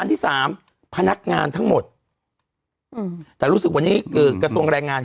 ที่สามพนักงานทั้งหมดอืมแต่รู้สึกวันนี้กระทรวงแรงงาน